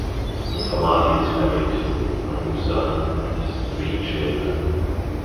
Mufamadi is married to Nomusa and has three children.